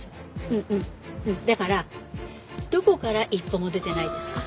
うんうんだからどこから一歩も出てないんですか？